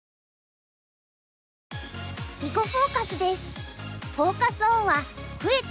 「囲碁フォーカス」です。